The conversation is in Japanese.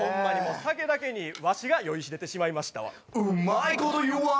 酒だけにわしが酔いしれてしまいましたわ。